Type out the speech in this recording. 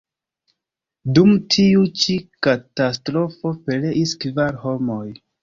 Dum tiu ĉi katastrofo pereis kvar homoj.